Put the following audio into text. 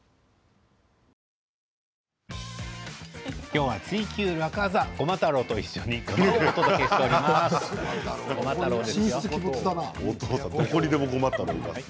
今日は「ツイＱ楽ワザ」ごま太郎と一緒にお届けしています。